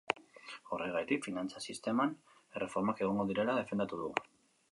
Horregatik, finantza sisteman erreformak egongo direla defendatu du.